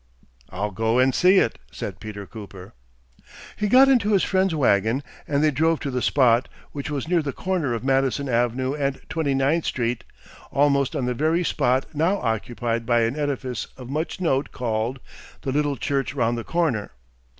"I'll go and see it," said Peter Cooper. He got into his friend's wagon and they drove to the spot, which was near the corner of Madison Avenue and Twenty ninth Street, almost on the very spot now occupied by an edifice of much note called "The Little Church Round the Corner."